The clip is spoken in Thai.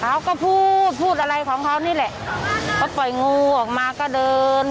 เขาก็พูดพูดอะไรของเขานี่แหละเขาปล่อยงูออกมาก็เดิน